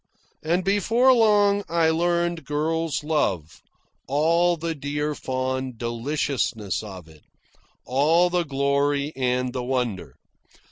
And before long I learned girl's love, all the dear fond deliciousness of it, all the glory and the wonder.